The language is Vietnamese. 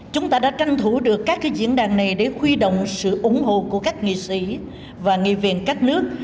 chúng ta đã tranh thủ được các diễn đàn này để huy động sự ủng hộ của các nghị sĩ và nghị viện các nước